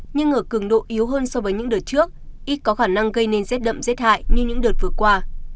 nhưng ở cường độ yếu hơn so với những đợt trước ít có khả năng gây nên rét đậm rét hại như những đợt vừa qua